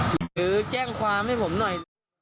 หรือแจ้งความให้ผมหน่อย